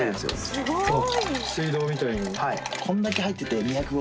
あっ水道みたいに。